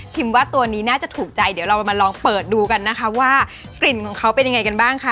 ว่าตัวนี้น่าจะถูกใจเดี๋ยวเรามาลองเปิดดูกันนะคะว่ากลิ่นของเขาเป็นยังไงกันบ้างค่ะ